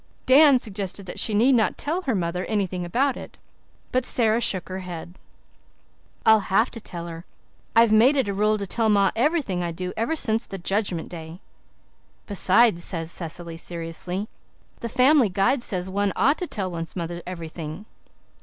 Dan suggested that she need not tell her mother anything about it; but Sara shook her head. "I'll have to tell her. I've made it a rule to tell ma everything I do ever since the Judgment Day." "Besides," added Cecily seriously, "the Family Guide says one ought to tell one's mother everything."